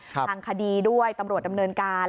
ทางคดีด้วยตำรวจดำเนินการ